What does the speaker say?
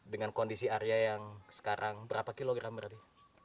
dengan kondisi arya yang sekarang berapa kilogram berarti